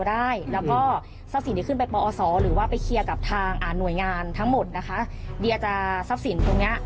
ดีกว่าดีกว่าดีกว่า